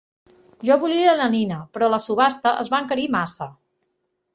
Jo volia la nina, però la subhasta es va encarir massa.